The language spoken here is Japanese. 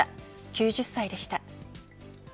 ９０歳でした。